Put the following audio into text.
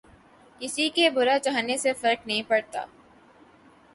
کســـی کے برا چاہنے سے فرق نہیں پڑتا